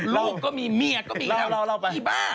ลูกก็มีเมียก็มีง่ายกี่บ้า